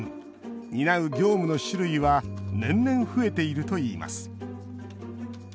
担う業務の種類は年々、増えているといいます。